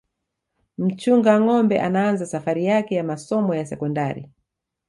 mchunga ngâombe anaanza safari yake ya masomo ya sekondari